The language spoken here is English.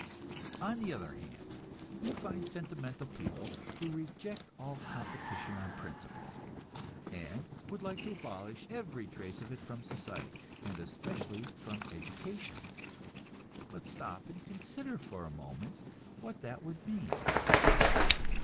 On the other hand, you find sentimental people who reject all competition on principle, and would like to abolish every trace of it from society, and especially from education. But stop and consider for a moment what that would mean.